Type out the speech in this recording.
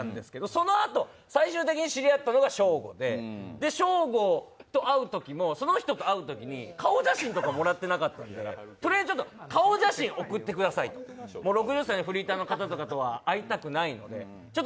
そのあと、最終的に知り合ったのがショーゴでショーゴと会うときもその人と会うときに顔写真とかもらってなかったんでとりあえず顔写真送ってくださいと、６０歳のフリーターの方とかとは会いたくないので。